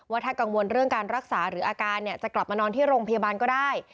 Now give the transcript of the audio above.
ถ้ากังวลเรื่องการรักษาหรืออาการเนี่ยจะกลับมานอนที่โรงพยาบาลก็ได้